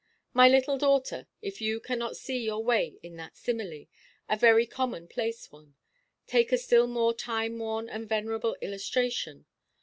My little daughter, if you cannot see your way in that simile—a very common–place one,—take a still more timeworn and venerable illustration.